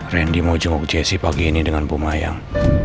randy mau jenguk jessi pagi ini dengan pemayang